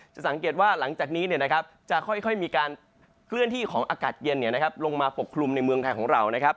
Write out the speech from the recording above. แต่สังเกตว่าหลังจากนี้เนี่ยนะครับจะค่อยมีการเคลื่อนที่ของอากาศเย็นเนี่ยนะครับลงมาปกคลุมในเมืองไทยของเรานะครับ